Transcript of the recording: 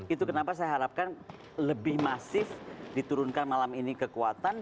itu kenapa saya harapkan lebih masif diturunkan malam ini kekuatan